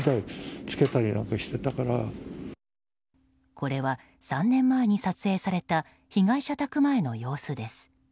これは３年前に撮影された被害者宅前の様子です。